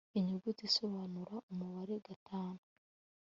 inyuguti isobanura umubare gatanu